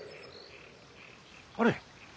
あれ？